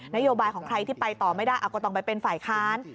นโยบายของใครที่ไปต่อไม่ได้ก็ต้องไปเป็นฝ่ายค้าน